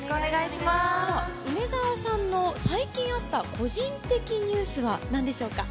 さあ、梅澤さんの最近あった個人的ニュースはなんでしょうか。